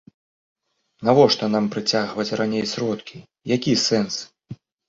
Навошта нам прыцягваць раней сродкі, які сэнс?